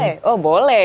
boleh oh boleh